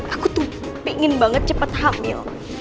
aku tuh pengen banget cepat hamil